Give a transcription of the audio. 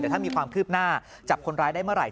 ถ้ามีความคืบหน้าจับคนร้ายได้เมื่อไห